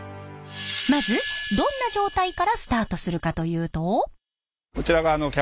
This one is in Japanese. まずどんな状態からスタートするかというと。